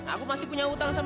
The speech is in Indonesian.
aku masih punya utang sama kamu